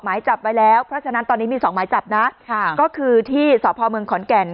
หมายจับไว้แล้วเพราะฉะนั้นตอนนี้มีสองหมายจับนะค่ะก็คือที่สพเมืองขอนแก่น